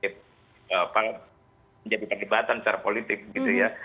menjadi perdebatan secara politik gitu ya